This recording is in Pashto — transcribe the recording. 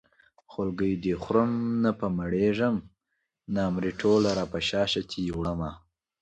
خولګۍ دې خورم نه پرې مړېږم نامرې ټوله راپشا شه چې دې وړمه